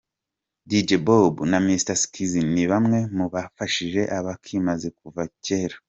Dj Bob na Mr Skizz ni bamwe mu bafashije Abakimaze kuva cyera.